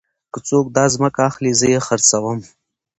که څوک داځمکه اخلي زه يې خرڅوم.